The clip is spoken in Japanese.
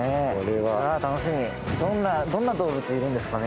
楽しみ、どんな動物がいるんですかね。